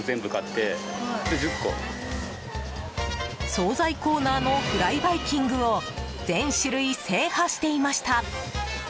総菜コーナーのフライバイキングを全種類、制覇していました。